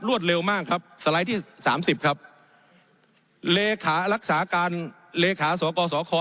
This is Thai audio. เร็วมากครับสไลด์ที่สามสิบครับเลขารักษาการเลขาสกสค